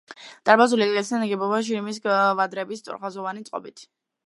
დარბაზული ეკლესია ნაგებია შირიმის კვადრების სწორხაზოვანი წყობით.